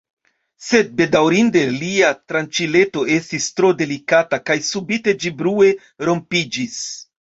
Sed bedaŭrinde lia tranĉileto estis tro delikata kaj subite ĝi brue rompiĝis.